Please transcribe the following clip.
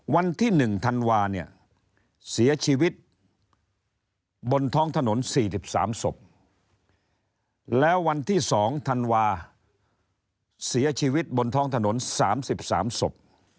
วันที่๑ธันวาเนี่ยเสียชีวิตบนท้องถนน๔๓ศพแล้ววันที่๒ธันวาเสียชีวิตบนท้องถนน๓๓ศพ